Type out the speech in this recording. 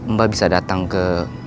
mbak bisa datang ke